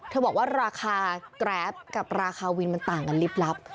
บอกว่าราคาแกรปกับราคาวินมันต่างกันลิบลับ